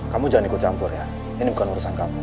kamu jangan ikut campur ya ini bukan urusan kamu